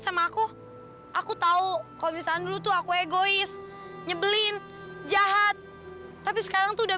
sampai jumpa di video selanjutnya